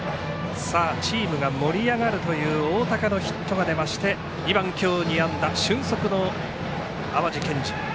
チームが盛り上がるという大高のヒットが出まして２番今日２安打、俊足の淡路建司。